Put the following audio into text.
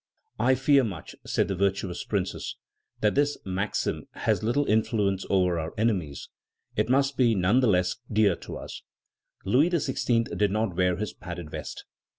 "I fear much," said the virtuous Princess, "that this maxim has little influence over our enemies, but it must be none the less dear to us." Louis XVI. did not wear his padded vest.